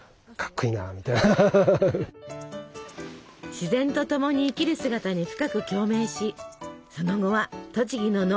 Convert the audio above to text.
自然とともに生きる姿に深く共鳴しその後は栃木の農家へ弟子入り。